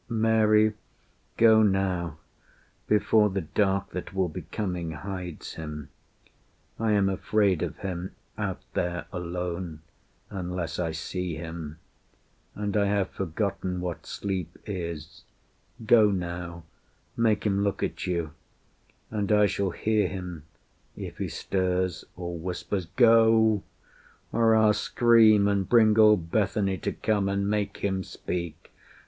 "Mary, go now, Before the dark that will be coming hides him. I am afraid of him out there alone, Unless I see him; and I have forgotten What sleep is. Go now make him look at you And I shall hear him if he stirs or whispers. Go! or I'll scream and bring all Bethany To come and make him speak.